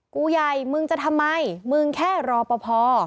กูใหญ่มึงจะทำไมมึงแค่รอปภ